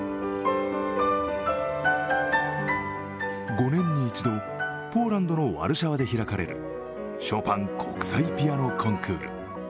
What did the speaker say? ５年に１度、ポーランドのワルシャワで開かれるショパン国際ピアノ・コンクール。